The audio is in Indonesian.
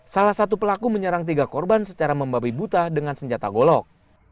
salah satu pelaku menyerang tiga korban secara membabi buta dengan senjata golok